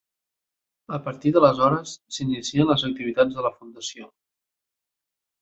A partir d'aleshores s'inicien les activitats de la Fundació.